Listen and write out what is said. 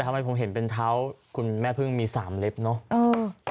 ทำไมผมเห็นเป็นเท้าคุณแม่พึ่งมี๓เล็บเนอะ